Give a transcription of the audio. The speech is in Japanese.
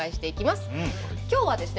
今日はですね